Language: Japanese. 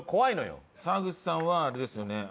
沢口さんはあれですよね。